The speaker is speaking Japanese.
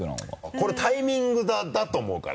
これタイミングだと思うから。